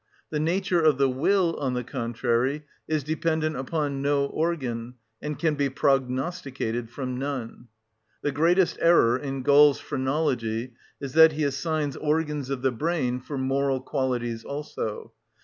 The nature of the will, on the contrary, is dependent upon no organ, and can be prognosticated from none. The greatest error in Gall's phrenology is that he assigns organs of the brain for moral qualities also.